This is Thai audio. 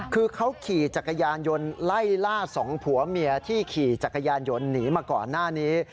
คือเขาขี่จักรยานยนต์ไล่ล่าสองผัวเมียที่ขี่จักรยานยนต์หนีมาก่อนหน้านี้